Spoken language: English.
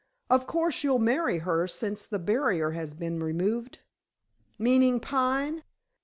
Of course, you'll marry her since the barrier has been removed?" "Meaning Pine?